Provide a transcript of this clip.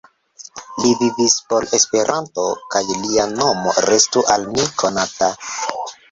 Li vivis por Esperanto, kaj lia nomo restu al ni konata!